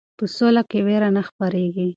په سوله کې ویره نه خپریږي.